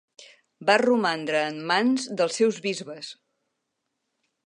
Va romandre en mans dels seus bisbes.